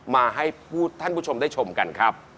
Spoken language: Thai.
มาให้ผู้ท่านผู้ชมได้ชมกันครับ